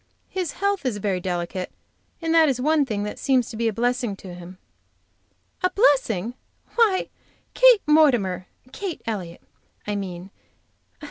His health is very delicate, and that one thing seems to be a blessing to him." "A blessing! Why, Kate Mortimer! Kate Elliott, I mean.